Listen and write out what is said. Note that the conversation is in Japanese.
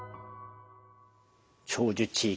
長寿地域